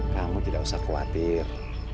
kamu tidak usah khawatir